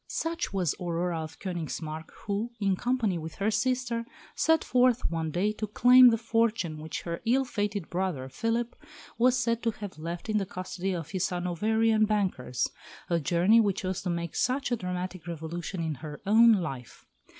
Such was Aurora of Königsmarck who, in company with her sister, set forth one day to claim the fortune which her ill fated brother, Philip, was said to have left in the custody of his Hanoverian bankers a journey which was to make such a dramatic revolution in her own life.